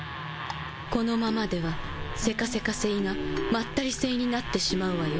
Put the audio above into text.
このままではセカセカ星がまったり星になってしまうわよ